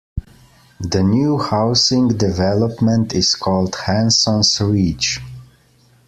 The new housing development is called Hanson's Reach.